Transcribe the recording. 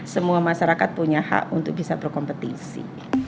semua masyarakat punya hak untuk bisa berkompetisi